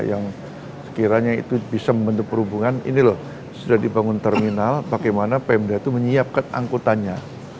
yang sekiranya itu bisa membentuk perhubungan ini loh sudah dibangun terminal bagaimana pemda itu menyiapkan angkutannya